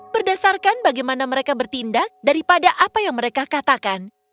berdasarkan bagaimana mereka bertindak daripada apa yang mereka katakan